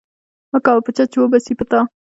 مه کوه په چا، چي و به سي په تا.